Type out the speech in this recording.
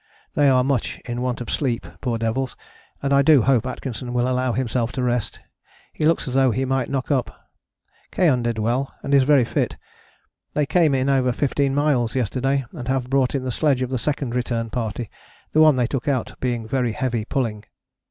They are much in want of sleep, poor devils, and I do hope Atkinson will allow himself to rest: he looks as though he might knock up. Keohane did well, and is very fit. They came in over fifteen miles yesterday, and have brought in the sledge of the Second Return Party, the one they took out being very heavy pulling.